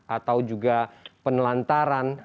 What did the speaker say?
atau juga penelantaran